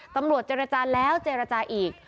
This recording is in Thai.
ตำรวจเจรจาแล้วเจรจาอีก